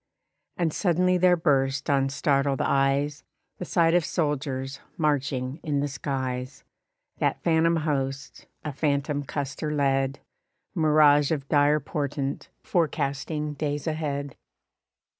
And suddenly there burst on startled eyes, The sight of soldiers, marching in the skies; That phantom host, a phantom Custer led; Mirage of dire portent, forecasting days ahead.